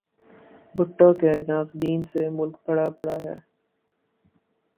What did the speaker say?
بھٹو کے ناقدین سے ملک بھرا پڑا ہے۔